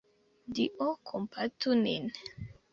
Dio kompatu nin!